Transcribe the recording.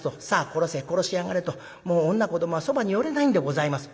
殺せ殺しやがれともう女子どもはそばに寄れないんでございます」。